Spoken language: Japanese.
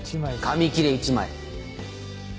紙切れ一枚。